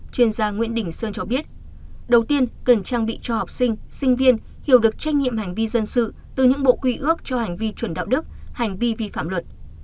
chuyên gia nguyễn đình sơn cho biết đầu tiên cần trang bị cho học sinh sinh viên hiểu được trách nhiệm hành vi dân sự từ những bộ quy ước cho hành vi chuẩn đạo đức hành vi vi phạm luật